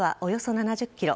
７０ｋｍ